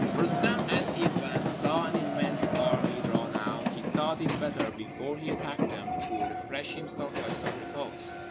Roostem, as he advanced, saw an immense army drawn out; he thought it better, before he attacked them, to refresh himself by some repose.